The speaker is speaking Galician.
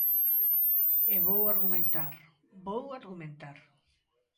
E vou argumentar, vou argumentar.